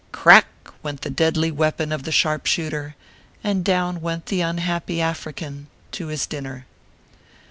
Crack ! went the deadly weapon of the sharpshooter, and down went the unhappy African to his dinner.